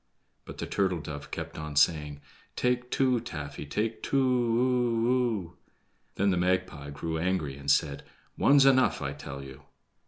But the turtle dove kept on saying: "Take two, Taffy, take two o o o." Then the Magpie grew angry and said: "One's enough, I tell you."